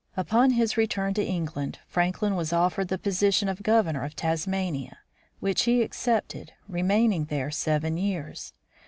Upon his return to England, Franklin was offered the position of Governor of Tasmania, which he accepted, re maining there seven years.